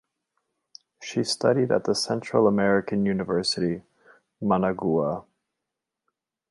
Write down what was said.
She studied at the Central American University (Managua).